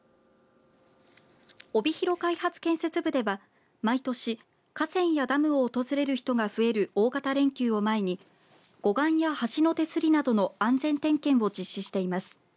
帯広開発建設部では毎年、河川やダムを訪れる人が増える大型連休を前に護岸や橋の手すりなどの安全点検を実施しています。